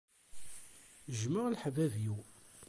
Jjmeɣ leḥbab-iw.